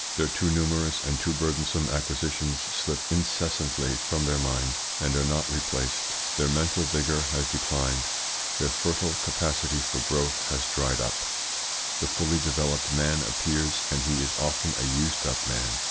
Their too numerous and too burdensome acquisitions slip incessantly from their mind, and are not replaced. Their mental vigour has declined, their fertile capacity for growth has dried up, the fully developed man appears, and he is often a used up man.